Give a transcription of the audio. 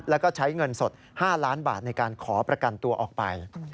แล้วก็ใช้เงินสด๕ล้านบาทในการขอประกันตัวออกไป